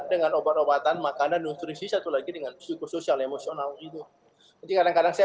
dengan obat obatan makanan nutrisi satu lagi dengan psikosoial emosional gitu jadi kadang kadang saya